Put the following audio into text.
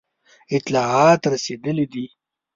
اطلاعات رسېدلي دي.